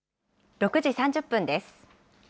６時３０分です。